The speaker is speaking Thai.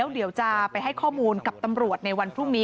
เดี๋ยวจะไปให้ข้อมูลกับตำรวจในวันพรุ่งนี้